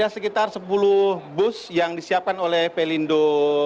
sekitar sepuluh bus yang disiapkan oleh pelindo